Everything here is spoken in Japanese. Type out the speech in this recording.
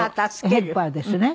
ヘルパーですね。